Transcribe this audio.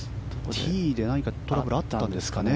ティーで何かトラブルがあったんですかね。